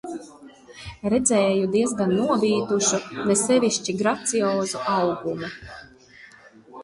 Redzēju diezgan novītušu, ne sevišķi graciozu augumu.